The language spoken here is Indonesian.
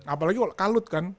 apalagi kalau kalut kan